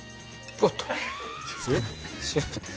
おっと。